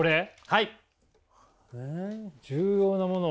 はい！